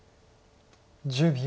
１０秒。